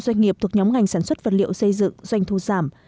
doanh nghiệp thuộc nhóm ngành sản xuất vật liệu xây dựng doanh thu giảm